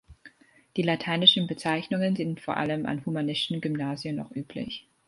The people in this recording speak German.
Die lateinischen Bezeichnungen sind vor allem an humanistischen Gymnasien noch üblich.